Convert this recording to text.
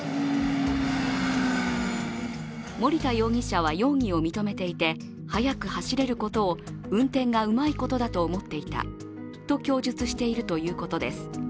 森田容疑者は容疑を認めていて速く走れることを、運転がうまいことだと思っていたと供述しているということです。